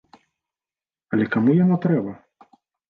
Але каму яно трэба?